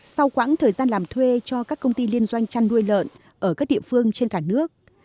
sau quãng thời gian làm thuê cho các công ty liên doanh chăn nuôi lợn ở các địa phương trên cả nước